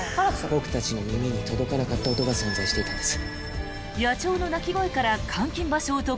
僕たちの耳に届かなかった音が存在していたんです。